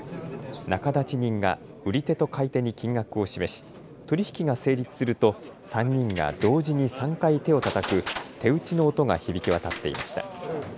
仲立人が売り手と買い手に金額を示し取り引きが成立すると３人が同時に３回手をたたく手打ちの音が響き渡っていました。